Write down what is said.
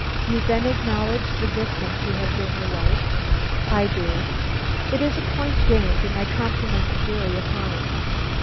"You then acknowledge the victim to have been your wife?" "I do." "It is a point gained, and I compliment the jury upon it.